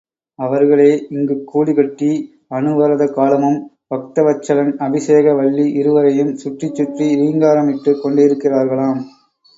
அவர்களே இங்குக் கூடு கட்டி அனுவரதகாலமும் பக்தவத்சலன், அபிஷேக வல்லி இருவரையும் சுற்றி சுற்றி ரீங்காரமிட்டுக் கொண்டிருக்கிறார்களாம்.